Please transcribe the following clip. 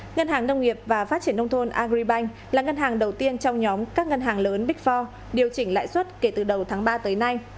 ngân hàng nông nghiệp và phát triển nông thôn agribank là ngân hàng đầu tiên trong nhóm các ngân hàng lớn big four điều chỉnh lãi suất kể từ đầu tháng ba tới nay